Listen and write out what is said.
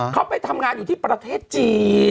เขาไปทำงานอยู่ที่ประเทศจีน